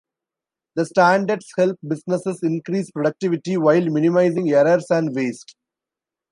The standards help businesses increase productivity while minimizing errors and waste.